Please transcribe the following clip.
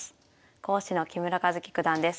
講師の木村一基九段です。